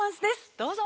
どうぞ。